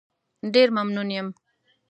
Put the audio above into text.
ډېر ممنون یم.